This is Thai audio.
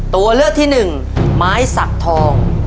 ตัวเลือกที่หนึ่งไม้สักทอง